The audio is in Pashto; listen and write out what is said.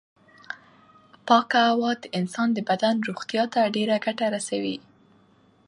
پاکه هوا د انسان د بدن روغتیا ته ډېره ګټه رسوي.